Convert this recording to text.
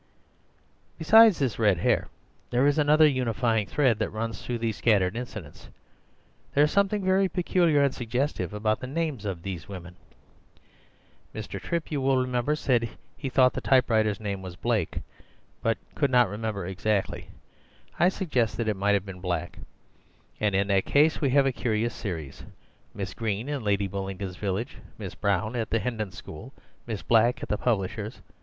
"Besides this red hair, there is another unifying thread that runs through these scattered incidents. There is something very peculiar and suggestive about the names of these women. Mr. Trip, you will remember, said he thought the typewriter's name was Blake, but could not remember exactly. I suggest that it might have been Black, and in that case we have a curious series: Miss Green in Lady Bullingdon's village; Miss Brown at the Hendon School; Miss Black at the publishers.